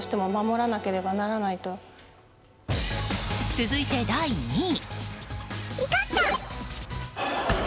続いて、第２位。